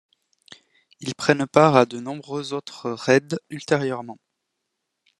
Ils prennent part à de nombreux autres raids ultérieurement.